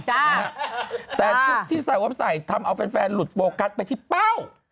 จ้ะจ้ะแต่ที่สายว้ำใส่ทำเอาแฟนหลุดโฟกัสไปที่เป้า